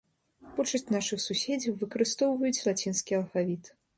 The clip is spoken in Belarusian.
Большасць нашых суседзяў выкарыстоўваюць лацінскі алфавіт.